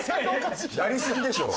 やりすぎでしょ！